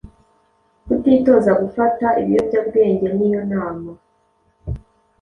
Kutitoza gufata ibiyobyabwenge ni yo nama